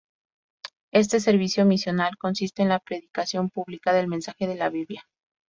Este servicio misional consiste en la predicación pública del mensaje de la Biblia.